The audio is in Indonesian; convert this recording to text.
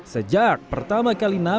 sejak pertama kali di indonesia